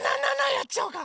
やっちゃおうか。